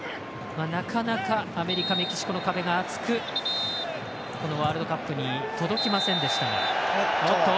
なかなかアメリカメキシコの壁が厚くこのワールドカップに届きませんでしたが。